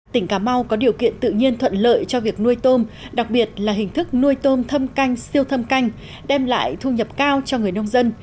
tỉnh cà mau có điều kiện tự nhiên thuận lợi cho việc nuôi tôm đặc biệt là hình thức nuôi tôm thâm canh siêu thâm canh đem lại thu nhập cao cho người nông dân